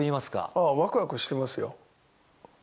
ああ、わくわくしてますよ。